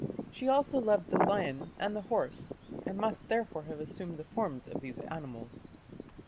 She also loved the lion and the horse, and must therefore have assumed the forms of these animals.